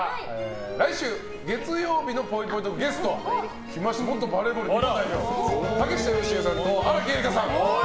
来週月曜日のぽいぽいトークゲストは元バレーボール日本代表竹下佳江さんと荒木絵里香さん。